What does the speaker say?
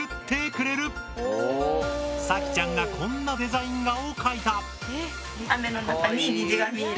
さきちゃんがこんなデザイン画を描いた。